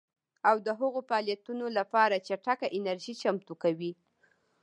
او د هغو فعالیتونو لپاره چټکه انرژي چمتو کوي